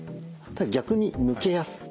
逆に抜けやすい。